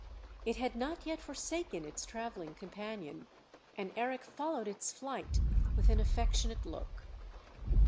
It had not yet forsaken its travelling companion, and Eric followed its flight with an affectionate look.